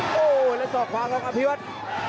โอ้โหแล้วสองขวาครับอัพพิวัตร